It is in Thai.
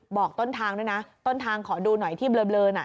บอกต้นทางด้วยนะต้นทางขอดูหน่อยที่เบลอน่ะ